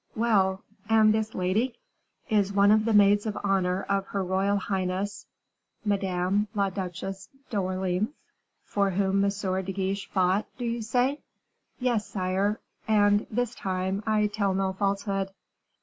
"Well and this lady?" "Is one of the maids of honor of her royal highness Madame la Duchesse d'Orleans." "For whom M. de Guiche fought do you say?" "Yes, sire, and, this time, I tell no falsehood."